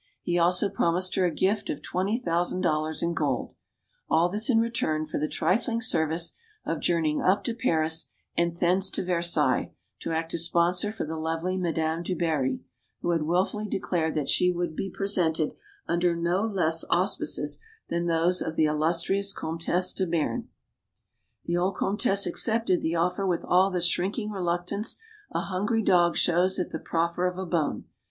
He also promised her a gift of twenty thousand dollars in gold. All this in return for the trifling service of journeying up to Paris and thence to Versailles, to act as sponsor for the lovely Madame du Barry, who had wilfully declared that she would be presented under no less auspices than those of the illustrious Comtesse de Beam. 192 STORIES OF THE SUPER WOMEN The old comtesse accepted the offer with all the shrinking reluctance a hungry dog shows at the proffer of a bone.